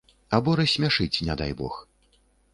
Або рассмяшыць, не дай бог.